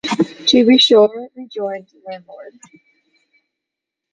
To be sure,’ rejoined the landlord.